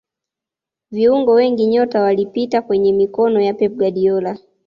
viungo wengi nyota walipita kwenye mikono ya pep guardiola